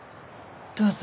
どうぞ。